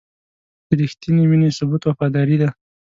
د رښتینې مینې ثبوت وفاداري ده.